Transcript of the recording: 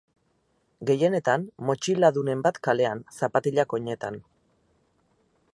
Gehienetan motxiladunen bat kalean, zapatilak oinetan.